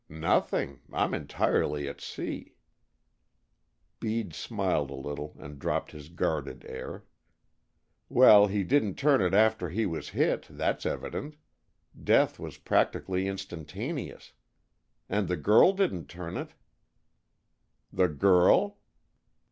"Nothing. I'm entirely at sea." Bede smiled a little and dropped his guarded air. "Well, he didn't turn it after he was hit, that's evident. Death was practically instantaneous. And the girl didn't turn it, " "The girl?"